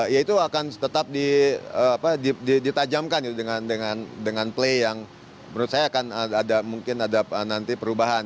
ya itu akan tetap ditajamkan dengan play yang menurut saya akan ada mungkin ada nanti perubahan